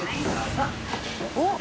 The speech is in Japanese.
おっ。